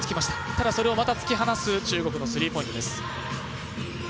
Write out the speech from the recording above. ただ、それをまた突き放す中国のスリーポイントです。